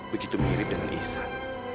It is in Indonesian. begitu mirip dengan isan